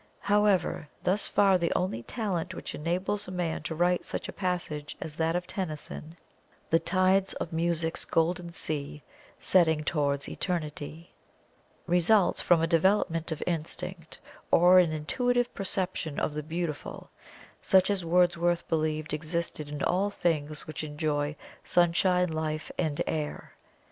However, thus far the talent which enables a man to write such a passage as that of TENNYSON, "The tides of Music's golden sea Setting towards Eternity," results from a development of Instinct, or an intuitive perception of the Beautiful, such as Wordsworth believed existed in all things which enjoy sunshine, life, and air.